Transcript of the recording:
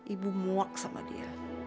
ibu muak sama dia